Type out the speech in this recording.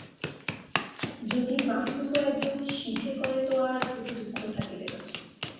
যদি বাঁকটুকু একদম সিধে করে তো আর কোন দুঃখ থাকিবে না।